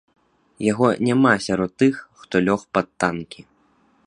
Яго няма сярод тых, хто лёг пад танкі.